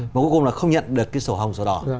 mà cuối cùng là không nhận được cái sổ hồng sổ đỏ